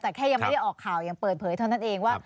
แต่แค่ยังไม่ได้ออกข่าวยังเปิดเผยเท่านั้นเองว่า